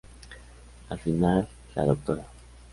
Al final, la Dra.